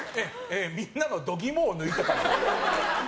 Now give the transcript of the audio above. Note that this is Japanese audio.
みんなの度肝を抜いたから。